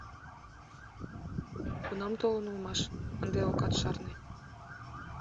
Кунам толын улмаш, ынде окат шарне.